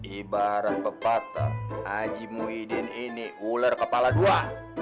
ibarat pepatah haji muhyiddin ini ular kepala dua